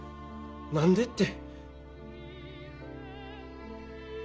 何でって。